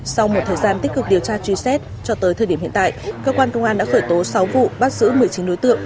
sau một thời gian tích cực điều tra truy xét cho tới thời điểm hiện tại cơ quan công an đã khởi tố sáu vụ bắt giữ một mươi chín đối tượng